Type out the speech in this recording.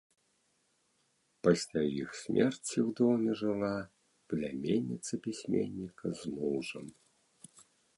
Пасля іх смерці ў доме жыла пляменніца пісьменніка з мужам.